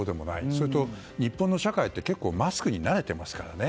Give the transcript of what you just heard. それと日本の社会って結構マスクに慣れてますからね。